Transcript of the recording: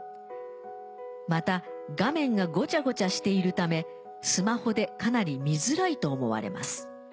また画面がごちゃごちゃしているためスマホでかなり見づらいと思われます。